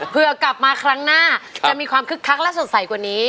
เพื่อกลับมาครั้งหน้าจะมีความคึกคักและสดใสกว่านี้